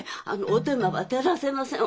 お手間は取らせません。